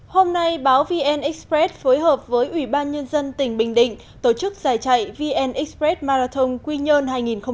hôm nay báo vn express phối hợp với ủy ban nhân dân tỉnh bình định tổ chức giải chạy vn express marathon quy nhơn hai nghìn một mươi chín